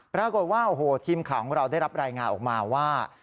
ปรากฏว่าโอ้โหทีมข่าวของเราได้รับรายงานออกมาว่า